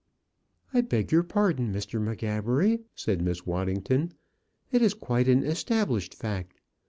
"I beg your pardon, Mr. M'Gabbery," said Miss Waddington. "It is quite an established fact.